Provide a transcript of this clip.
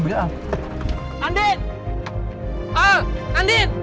gimana lebih buruk